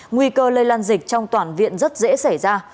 nguy cơ lây lan dịch trong toàn viện rất dễ xảy ra